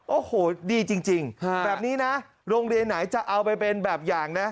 โอ้โหดีจริงแบบนี้นะโรงเรียนไหนจะเอาไปเป็นแบบอย่างนะ